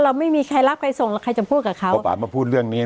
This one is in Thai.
เราไม่มีใครรับใครส่งแล้วใครจะพูดกับเขาเพราะป่ามาพูดเรื่องนี้